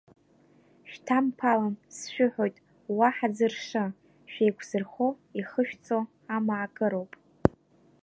Шәҭамԥалан, сшәыҳәоит, уаҳа ӡыршы, шәеиқәзырхо ихышәҵо амаакыроуп…